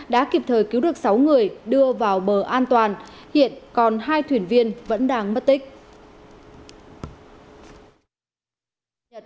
đã kịp thời cứu được sáu người đưa vào bờ an toàn hiện còn hai thuyền viên vẫn đang mất tích